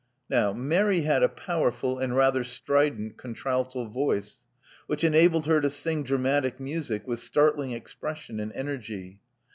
Now Mary had a powerful and rather strident contralto voice, which enabled her to sing dramatic music with startling expression and energy.